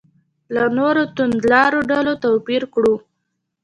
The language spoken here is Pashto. له نورو توندلارو ډلو توپیر کړو.